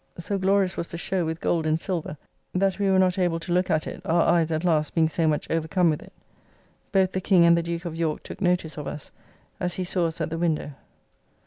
So glorious was the show with gold and silver, that we were not able to look at it, our eyes at last being so much overcome with it. Both the King and the Duke of York took notice of us, as he saw us at the window.